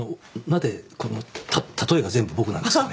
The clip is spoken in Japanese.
何でこの例えが全部僕なんですかね？